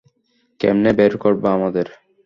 কেমনে বের করবা আমাদের!